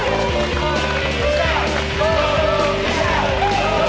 kan merupakan istimewa yang diputisikan zoo